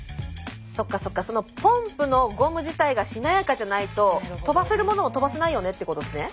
そっかそっかポンプのゴム自体がしなやかじゃないと飛ばせるものも飛ばせないよねってことですね？